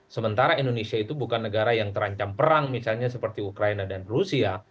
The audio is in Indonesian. sementara indonesia itu bukan negara yang terancam perang misalnya seperti ukraina dan rusia